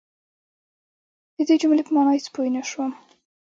د الله غوندې داغدار پۀ جهان راغلم